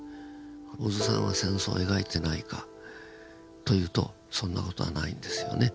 小津さんは戦争を描いてないかというとそんな事はないんですよね。